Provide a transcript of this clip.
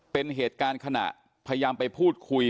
เป็นเหตุการณ์ขณะพยายามไปพูดคุย